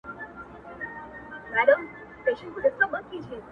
هم راغلي كليوال وه هم ښاريان وه!.